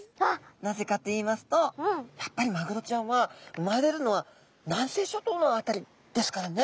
なぜかといいますとやっぱりマグロちゃんは生まれるのは南西諸島の辺りですからねちゃんとですね